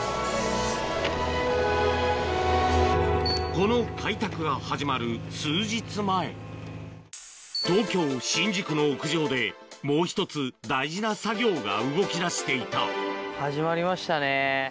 この開拓が始まる数日前東京・新宿の屋上でもう１つ大事な作業が動き出していた始まりましたね。